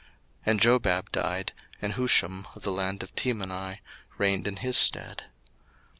01:036:034 And Jobab died, and Husham of the land of Temani reigned in his stead.